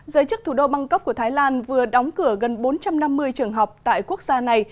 giới chức thủ đô bangkok của thái lan vừa đóng cửa gần bốn trăm năm mươi trường học tại quốc gia này